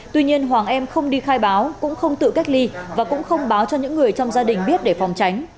tuy nhiên hoàng em không đi khai báo cũng không tự cách ly và cũng không báo cho những người trong gia đình biết để phòng tránh